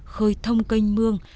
khơi thông canh mương